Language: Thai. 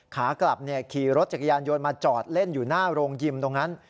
ขากลับขี่รถจักรยานยนต์มาจอดเล่นอยู่หน้าโรงยิมตรงนั้น